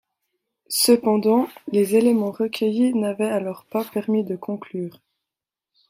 Cependant, les éléments recueillis n'avaient alors pas permis de conclure.